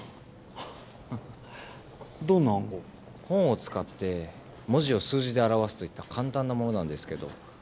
本を使って文字を数字で表すといった簡単なものなんですけど。